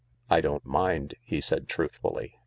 "I don't mind," he said truthfully.